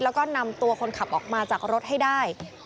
แล้วก็นำตัวคนขับออกมาจากรถให้ได้